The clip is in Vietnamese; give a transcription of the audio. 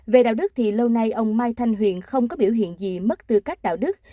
về đạo đức thì lâu nay ông mai thanh huyền không có biểu hiện gì mất tư cách đạo đức